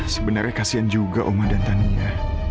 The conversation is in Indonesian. sebenarnya kasihan juga om adhantaninya